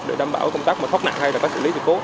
để đảm bảo công tác thoát nặng hay xử lý thịt cố